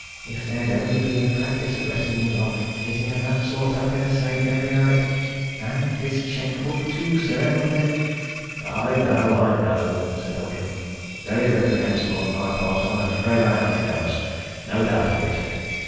"If there'd only been a practice of letting me lock anything of that sort up in the safe every night and this chequebook, too, sir then " "I know I know!" said Eldrick. "Very reprehensible on my part I'm afraid I am careless no doubt of it.